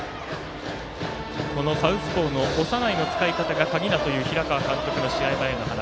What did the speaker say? サウスポーの長内の使い方が鍵だという平川監督の試合前の話。